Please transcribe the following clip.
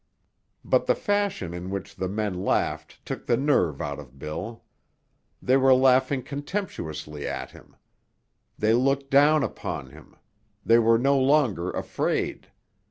But the fashion in which the men laughed took the nerve out of Bill. They were laughing contemptuously at him; they looked down upon him; they were no longer afraid.